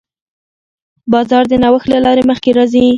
بازار د نوښت له لارې مخکې ځي.